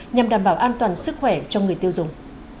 nhằm đảm bảo an toàn sức khỏe cho người tiêu dùng